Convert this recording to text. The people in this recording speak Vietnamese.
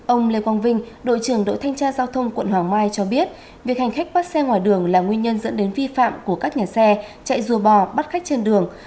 ông lê quang vinh đội trưởng đội thanh tra giao thông quận hoàng mai cho biết việc hành khách bắt xe ngoài đường là nguyên nhân dẫn đến vi phạm của các nhà xe chạy rùa bò bắt khách trên đường